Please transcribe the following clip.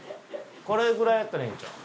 これぐらいやったらいいんちゃう？